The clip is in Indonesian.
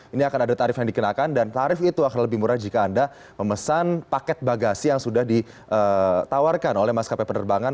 ini akan ada tarif yang dikenakan dan tarif itu akan lebih murah jika anda memesan paket bagasi yang sudah ditawarkan oleh maskapai penerbangan